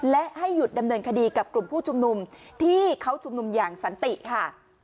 และให้หยุดดำเนินคดีกับกลุ่มผู้ชุมนุมที่เขาชุมนุมอย่างสันติค่ะ